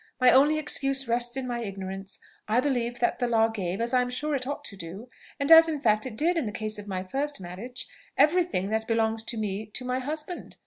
My only excuse rests in my ignorance. I believed that the law gave, as I am sure it ought to do, and as in fact it did in the case of my first marriage, every thing that belongs to me to my husband.